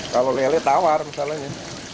kalau lele tawar misalnya